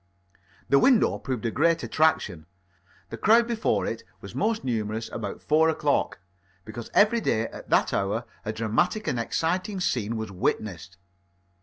The window proved a great attraction. The crowd before it was most numerous about four o'clock, because every day at that hour a dramatic and exciting scene was witnessed.